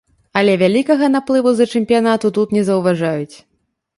Але вялікага наплыву з-за чэмпіянату тут не заўважаюць.